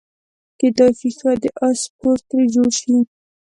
کیدای شي ښه د اس سپور ترې جوړ شي.